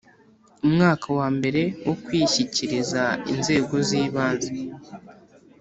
Umwaka wa mbere wo kwishyikiriza inzego zibanze